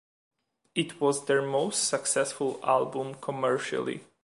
It was their most successful album commercially.